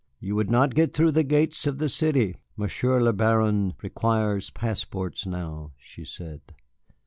"You would not get through the gates of the city. Monsieur le Baron requires passports now," she said.